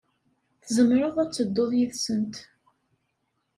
Tzemreḍ ad tedduḍ yid-sent.